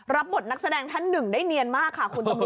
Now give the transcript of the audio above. รับหนักแสดงทัน๑ได้เนียนมาก